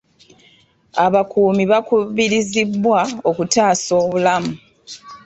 Abakuumi bakubirizibwa okutaasa obulamu.